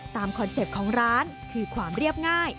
คอนเซ็ปต์ของร้านคือความเรียบง่าย